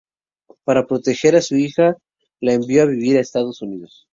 Para proteger a su hija la envió a vivir a Estados Unidos.